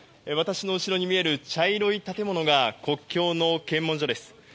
私の後ろに見える茶色い建物が国境の検問所です。